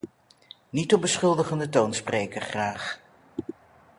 Niet op beschuldigende toon spreken, graag.